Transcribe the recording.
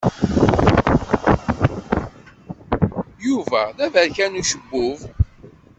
Yuba d aberkan ucebbub.